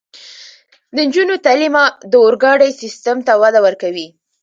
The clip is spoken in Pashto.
د نجونو تعلیم د اورګاډي سیستم ته وده ورکوي.